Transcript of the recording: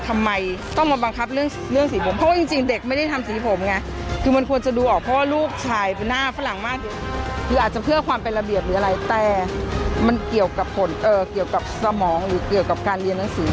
มันควรจะดูออกเพราะลูกชายหน้าฝรั่งมากคืออาจจะเพื่อความเป็นระเบียบหรืออะไรแต่มันเกี่ยวกับผลเอ่อเกี่ยวกับสมองหรือเกี่ยวกับการเรียนทั้งสี